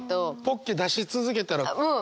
ポッケ出し続けたら。